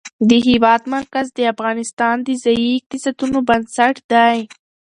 د هېواد مرکز د افغانستان د ځایي اقتصادونو بنسټ دی.